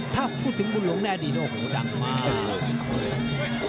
ถ้าพูดถึงบุญหลงแน่ดีโดดังมาก